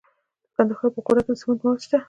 د کندهار په غورک کې د سمنټو مواد شته.